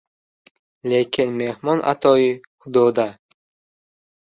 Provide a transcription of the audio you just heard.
Lekin mehmon atoyi Xudo-da.